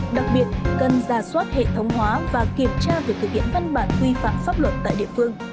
đặc biệt cần ra soát hệ thống hóa và kiểm tra việc thực hiện văn bản quy phạm pháp luật tại địa phương